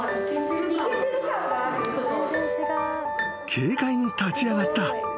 ［軽快に立ち上がった］